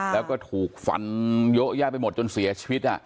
แล้วก็ถูกฟันเยอะแยะไปหมดจนเสียชีวิต